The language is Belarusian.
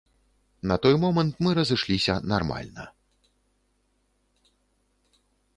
На той момант мы разышліся нармальна.